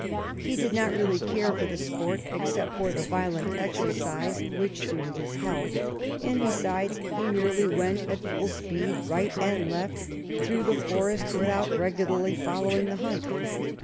He did not really care for the sport, except for the violent exercise, which suited his health ; and, besides, he merely went at full speed, right and left, through the forest without regularly following the hunt."